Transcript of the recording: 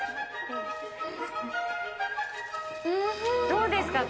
どうですか？